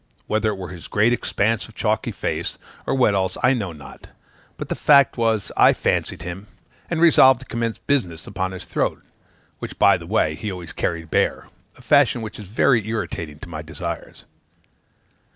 Whether it were his great expanse of chalky face, or what else, I know not but the fact was, I 'fancied' him, and resolved to commence business upon his throat, which by the way he always carried bare a fashion which is very irritating to my desires.